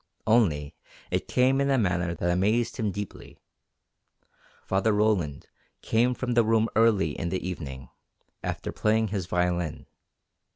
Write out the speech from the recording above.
Only it came in a manner that amazed him deeply. Father Roland came from the room early in the evening, after playing his violin.